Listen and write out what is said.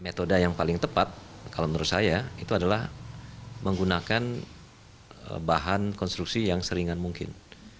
metode yang paling tepat kalau menurut saya itu adalah menggunakan bahan konstruksi yang seringan mungkin